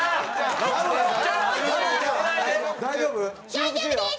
大丈夫です！